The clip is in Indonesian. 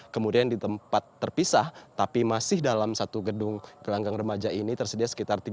kemudian di tempat terpisah tapi masih dalam satu gedung gelanggang remaja ini tersedia sekitar